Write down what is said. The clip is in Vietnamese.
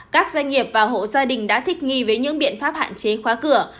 các doanh nghiệp và hộ gia đình đã thích nghi với những biện pháp hạn chế khóa cửa